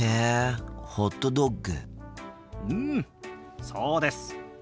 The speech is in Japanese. うんそうです。